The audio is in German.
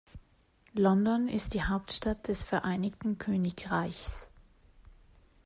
London ist die Hauptstadt des Vereinigten Königreichs.